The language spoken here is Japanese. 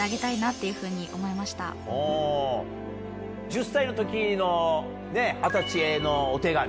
１０歳の時の二十歳へのお手紙？